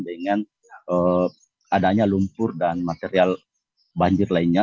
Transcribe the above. dengan adanya lumpur dan material banjir lainnya